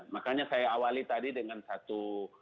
makanya saya awali tadi dengan satu